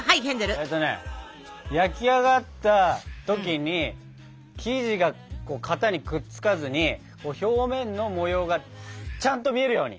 えとね焼き上がった時に生地が型にくっつかずに表面の模様がちゃんと見えるように！